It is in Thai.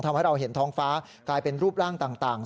ทำให้เราเห็นท้องฟ้ากลายเป็นรูปร่างต่าง